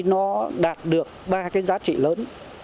nó đạt được ba cái giá trị lớn